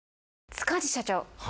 塚地社長